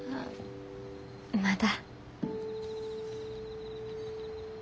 まだ。